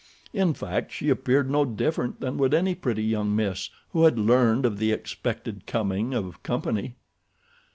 In fact she appeared no different than would any pretty young miss who had learned of the expected coming of company.